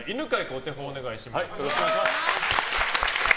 お手本をお願いします。